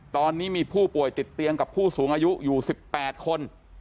ตอนนี้มีผู้ป่วยติดเตียงกับผู้สูงอายุอยู่๑๘คน